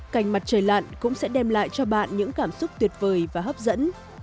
cành mặt trời lặn cũng sẽ đem lại cho bạn những cảm xúc tuyệt vời và hấp dẫn